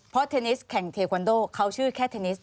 เพราะเทนนิสแข่งเทควันโดเขาชื่อแค่เทนนิส